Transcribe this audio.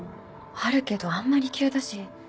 あるけどあんまり急だし。